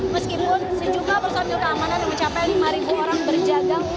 meskipun sejumlah personil keamanan yang mencapai lima orang berjaga